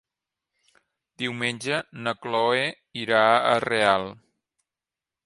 Diumenge na Cloè irà a Real.